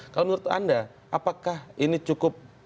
kalau menurut anda apakah ini cukup